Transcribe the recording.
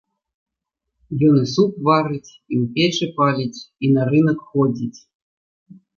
Ён і суп варыць, і ў печы паліць, і на рынак ходзіць.